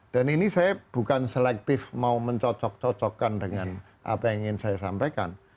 dan ini saya bukan selektif mau mencocok cocokkan dengan apa yang ingin saya sampaikan